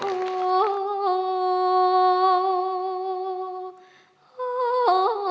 โอ้โอ้โอ้